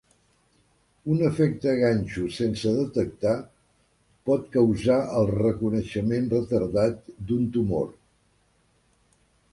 Un efecte ganxo sense detectar pot causar el reconeixement retardat d'un tumor.